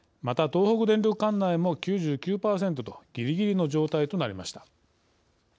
また東北電力管内も９９％とぎりぎりの状態となりました。